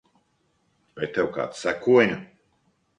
Vai tev kāds sekoja?